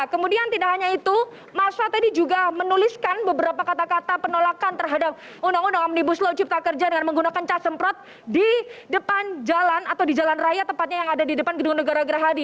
kemudian tidak hanya itu masa tadi juga menuliskan beberapa kata kata penolakan terhadap undang undang omnibus law cipta kerja dengan menggunakan cas semprot di depan jalan atau di jalan raya tepatnya yang ada di depan gedung negara gerahadi